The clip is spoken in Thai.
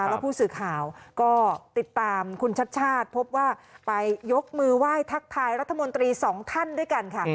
แล้วผู้สื่อข่าวก็ติดตามคุณชัดชาติพบว่าไปยกมือไหว้ทักทายรัฐมนตรีสองท่านด้วยกันค่ะ